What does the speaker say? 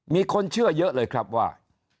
มีคนเชื่อเยอะเลยครับว่า